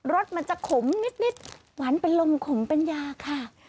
สมันจะขมนิดหวานเป็นลมขมเป็นยาค่ะ